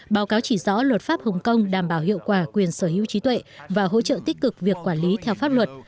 báo cáo chỉ rõ luật pháp hồng kông đảm bảo hiệu quả quyền sở hữu trí tuệ và hỗ trợ tích cực việc quản lý theo pháp luật